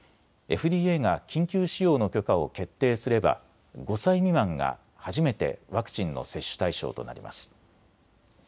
ＦＤＡが緊急使用の許可を決定すれば５歳未満が初めてワクチンの接種対象となります。